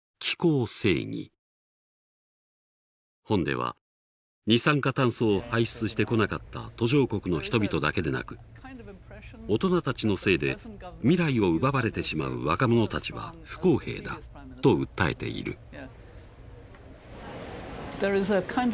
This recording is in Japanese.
本では二酸化炭素を排出してこなかった途上国の人々だけでなく大人たちのせいで未来を奪われてしまう若者たちは不公平だと訴えている。